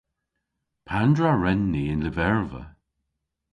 Pandr'a wren ni y'n lyverva?